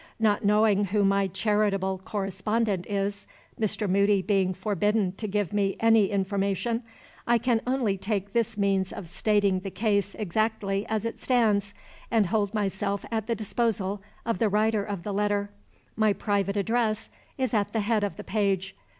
Not knowing who my charitable correspondent is (Mr. Moody being forbidden to give me any information), I can only take this means of stating the case exactly as it stands, and hold myself at the disposal of the writer of the letter. My private address is at the head of the page.